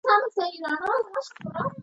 هغه وویل چې د دموکراتانو غړی یم.